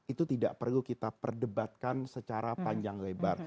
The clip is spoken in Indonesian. itu tidak perlu kita perdebatkan secara panjang lebar